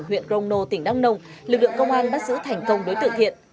lực lượng công an bắt giữ thành công đối tượng thiện